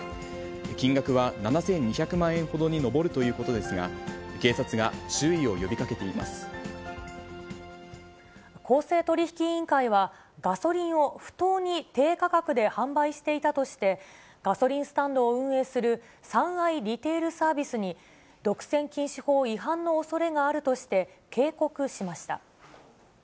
金額は７２００万円ほどに上るということですが、警察が注意を呼公正取引委員会は、ガソリンを不当に低価格で販売していたとして、ガソリンスタンドを運営する、三愛リテールサービスに、独占禁止法違反のおそれがあるとして、警告しました。